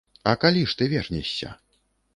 А калі ж ты вернешся?